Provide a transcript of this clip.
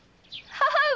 母上！